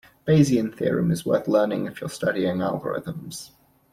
Bayesian theorem is worth learning if you're studying algorithms.